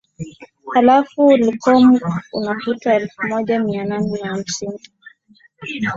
alafu ulikomu unakuta elfu moja mia nane na hamsini